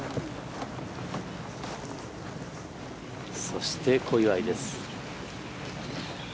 そして、小祝です。